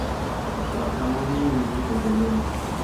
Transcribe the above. با تمام نیرو به جلو!